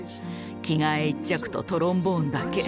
着替え１着とトロンボーンだけ。